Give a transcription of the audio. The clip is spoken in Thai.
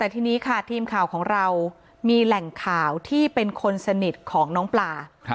ทีมข่าวของเรามีแหล่งข่าวที่เป็นคนสนิทของน้องปลา